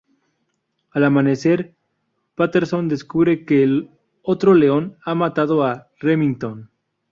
Al amanecer, Patterson descubre que el otro león ha matado a Remington.